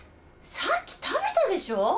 さっき食べたでしょ！